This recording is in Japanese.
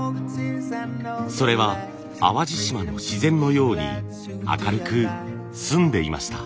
それは淡路島の自然のように明るく澄んでいました。